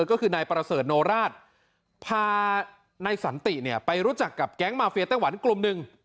ก็คือนายประเสริฐโนราชพานายสันติเนี่ยไปรู้จักกับแก๊งมาเฟียไต้หวันกลุ่มหนึ่ง